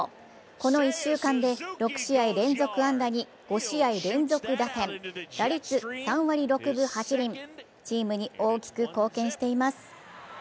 この１週間で６試合連続安打に５試合連続打点、打率３割６分８厘、チームに大きく貢献しています。